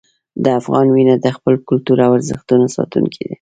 د افغان وینه د خپل کلتور او ارزښتونو ساتونکې ده.